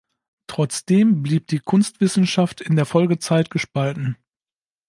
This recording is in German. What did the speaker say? Trotzdem blieb die Kunstwissenschaft in der Folgezeit gespalten.